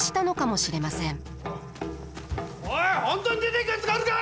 おい本当に出ていくやつがあるか！